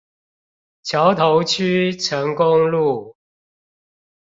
橋頭區成功路